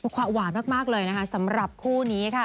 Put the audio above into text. ความหวานมากสำหรับคู่นี้